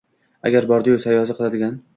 Agar bordi-yu sazoyi qiladigan